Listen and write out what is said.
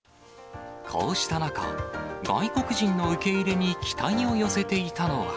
こうした中、外国人の受け入れに期待を寄せていたのは。